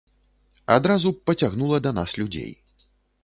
Адразу б пацягнула да нас людзей.